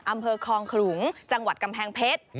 อำเภอคลองขลุงจังหวัดกำแพงเพชร